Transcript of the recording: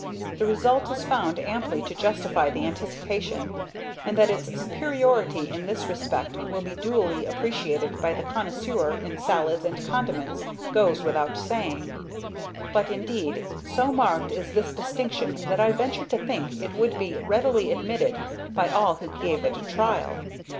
The result is found amply to justify the anticipation, and that its superiority in this respect will be duly appreciated by the connoisseur in salads and condiments goes without saying; but, indeed, so marked is this distinction that I venture to think it would be readily admitted by all who gave it a trial.